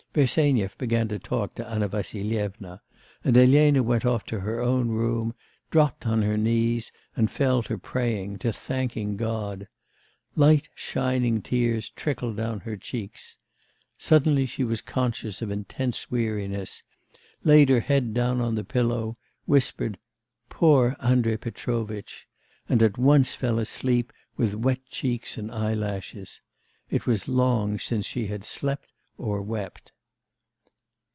Bersenyev began to talk to Anna Vassilyevna, and Elena went off to her own room, dropped on her knees and fell to praying, to thanking God. Light, shining tears trickled down her cheeks. Suddenly she was conscious of intense weariness, laid her head down on the pillow, whispered 'poor Andrei Petrovitch!' and at once fell asleep with wet cheeks and eyelashes. It was long since she had slept or wept.